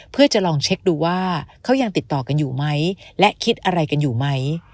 เพื่อจะลองเช็คดูว่าเขายังติดต่อกันอยู่ไหมและคิดอะไรกันอยู่ไหม